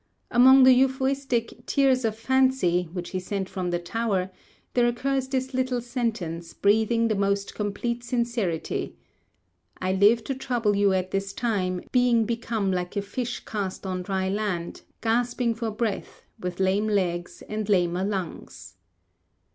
Among the Euphuistic 'tears of fancy' which he sent from the Tower, there occurs this little sentence, breathing the most complete sincerity: 'I live to trouble you at this time, being become like a fish cast on dry land, gasping for breath, with lame legs and lamer lungs.'